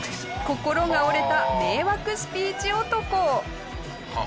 心が折れた迷惑スピーチ男。